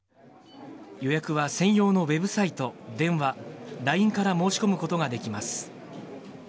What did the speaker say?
予約は専用のウェブサイト、電話、ＬＩＮＥから申し込むことができます。